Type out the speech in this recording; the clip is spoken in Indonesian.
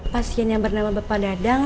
pasien yang bernama bapak dadang